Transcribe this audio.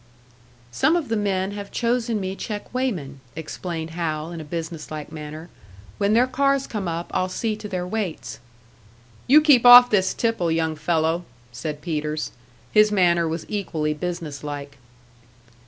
"Some of the men have chosen me check weighman," explained Hal, in a business like manner. "When their cars come up, I'll see to their weights." "You keep off this tipple, young fellow!" said Peters. His manner was equally business like.